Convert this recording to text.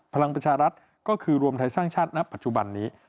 พลังประชารัฐก็คือรวมไทยสร้างชาติณปัจจุบันนี้